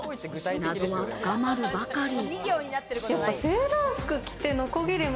謎は深まるばかり。